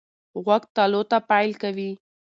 غوږ تالو ته پایل کوي.